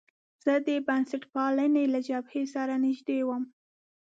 زه د بنسټپالنې له جبهې سره نژدې وم.